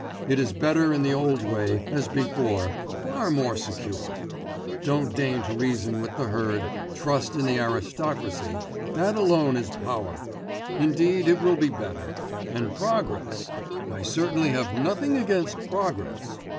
It is better in the old way, as before ... far more secure. Don't deign to reason with the herd, trust in the aristocracy, in that alone is power.... Indeed it will be better. And progress ... I certainly have nothing against progress.